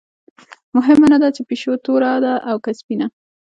مهمه نه ده چې پیشو توره ده او که سپینه.